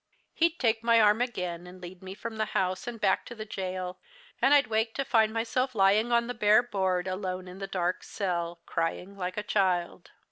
He'd take my arm again, and lead me from the house and back to the gaol, and I'd wake to find myself lying on the bare board, alone in the dark cell, crying like a child.